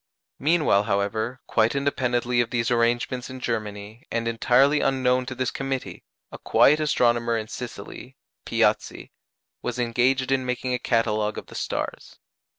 Meanwhile, however, quite independently of these arrangements in Germany, and entirely unknown to this committee, a quiet astronomer in Sicily, Piazzi, was engaged in making a catalogue of the stars.